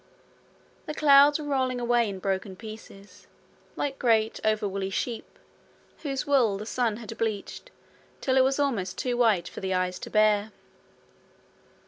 The clouds were rolling away in broken pieces, like great, overwoolly sheep, whose wool the sun had bleached till it was almost too white for the eyes to bear.